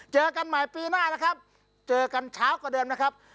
เจอกันใหม่ปีหน้านะครับเจอกันเช้ากว่าเดิมนะครับ